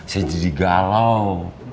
saya jadi galau